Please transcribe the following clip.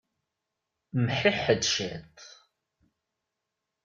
Mḥiḥed ciṭ.